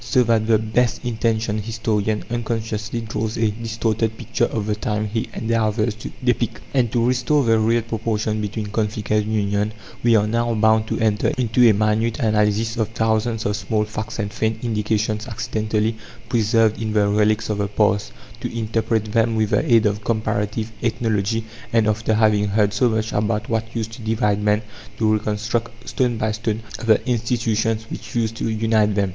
So that the best intentioned historian unconsciously draws a distorted picture of the times he endeavours to depict; and, to restore the real proportion between conflict and union, we are now bound to enter into a minute analysis of thousands of small facts and faint indications accidentally preserved in the relics of the past; to interpret them with the aid of comparative ethnology; and, after having heard so much about what used to divide men, to reconstruct stone by stone the institutions which used to unite them.